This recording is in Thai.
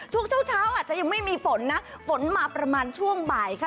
ช่วงเช้าเช้าอาจจะยังไม่มีฝนนะฝนมาประมาณช่วงบ่ายค่ะ